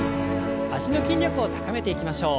脚の筋力を高めていきましょう。